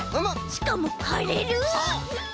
しかもはれる！